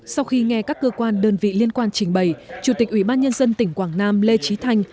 sau khi nghe các cơ quan đơn vị liên quan trình bày chủ tịch ubnd tỉnh quảng nam lê trí thanh